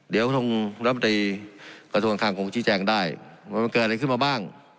เดี๋ยวต้องรับปฏิกับทุนข้างของของชีแจงได้มันเกิดอะไรขึ้นมาบ้าง